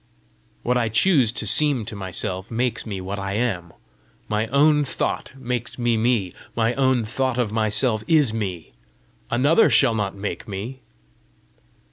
What I choose to seem to myself makes me what I am. My own thought makes me me; my own thought of myself is me. Another shall not make me!"